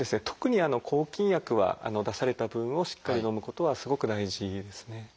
特に抗菌薬は出された分をしっかりのむことはすごく大事ですね。